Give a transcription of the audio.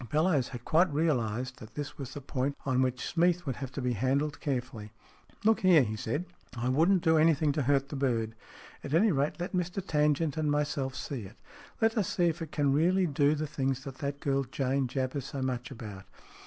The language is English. Bellowes had quite realized that this was the point on which Smeath would have to be handled carefully. " Look here," he said, " I wouldn't do anything to hurt the bird. At anyrate, let Mr Tangent and myself see it. Let us see if it can really do the things that that girl Jane jabbers so much about.